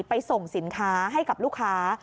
ไปส่งสินค้าให้กับลูกค้า